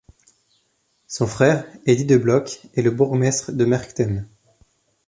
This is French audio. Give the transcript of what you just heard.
Son frère, Eddie De Block, est le bourgmestre de Merchtem.